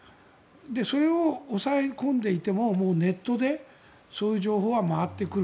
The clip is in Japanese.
それを抑え込んでいてもネットでそういう情報は回ってくる。